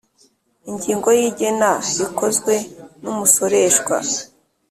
ingingo ya igena rikozwe n umusoreshwa